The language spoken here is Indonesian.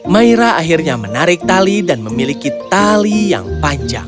maira akhirnya menarik tali dan memiliki tali yang panjang